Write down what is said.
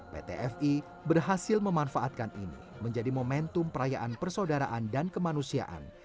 pt fi berhasil memanfaatkan ini menjadi momentum perayaan persaudaraan dan kemanusiaan